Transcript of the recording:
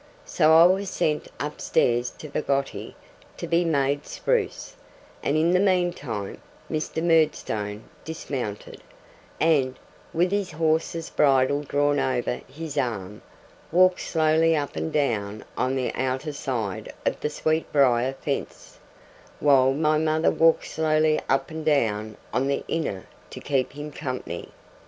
So I was sent upstairs to Peggotty to be made spruce; and in the meantime Mr. Murdstone dismounted, and, with his horse's bridle drawn over his arm, walked slowly up and down on the outer side of the sweetbriar fence, while my mother walked slowly up and down on the inner to keep him company.